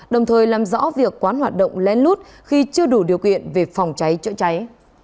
đồng thời làm rõ việc quán hoạt động lên lút khi chưa đủ điều kiện về phòng cháy chữa cháy